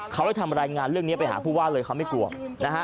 เขาเลยทำรายงานเรื่องนี้ไปหาผู้ว่าเลยเขาไม่กลัวนะฮะ